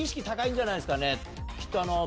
んじゃないですかね。